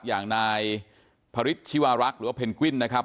อย่างนายพระฤทธิวารักษ์หรือว่าเพนกวิ้นนะครับ